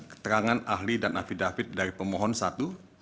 keterangan ahli dan afidafit dari pemohon satu